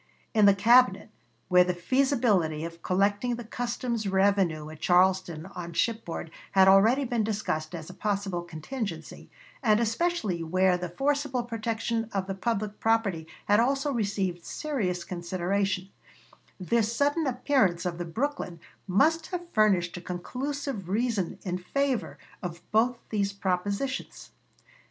In the Cabinet, where the feasibility of collecting the customs revenue at Charleston on shipboard had already been discussed as a possible contingency, and especially where the forcible protection of the public property had also received serious consideration, this sudden appearance of the Brooklyn must have furnished a conclusive reason in favor of both these propositions.